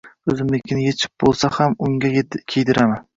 Oʻzimnikini yechib boʻlsa ham unga kiydiraman!